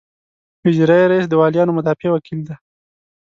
اجرائیه رییس د والیانو مدافع وکیل دی.